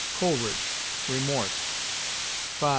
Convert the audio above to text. Coleridge, Remorse, V.i.